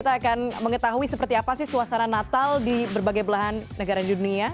kita akan mengetahui seperti apa sih suasana natal di berbagai belahan negara di dunia